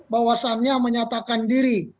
bahwasannya menyatakan diri